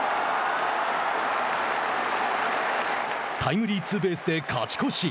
タイムリーツーベースで勝ち越し。